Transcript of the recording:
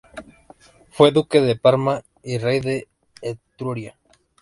Fue duque de Parma y rey de Etruria.